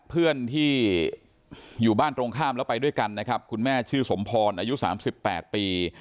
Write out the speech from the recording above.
เพื่อนที่อยู่บ้านตรงข้ามแล้วไปด้วยกันนะครับคุณแม่ชื่อสมพรอายุ๓๘ปี